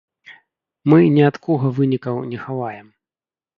Мы ні ад кога вынікаў не хаваем.